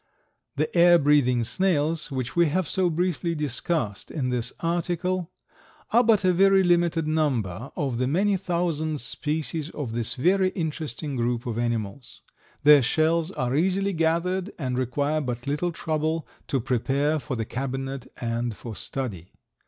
The air breathing snails which we have so briefly discussed in this article, are but a very limited number of the many thousand species of this very interesting group of animals. Their shells are easily gathered and require but little trouble to prepare for the cabinet and for study.